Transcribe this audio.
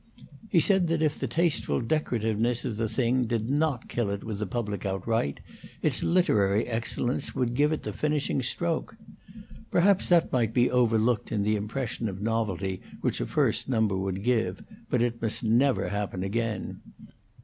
He said that if the tasteful decorativeness of the thing did not kill it with the public outright, its literary excellence would give it the finishing stroke. Perhaps that might be overlooked in the impression of novelty which a first number would give, but it must never happen again.